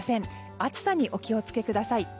暑さにお気をつけください。